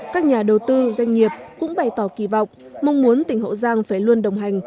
các nhà đầu tư doanh nghiệp cũng bày tỏ kỳ vọng mong muốn tỉnh hậu giang phải luôn đồng hành